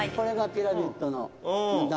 ピラミッドの中？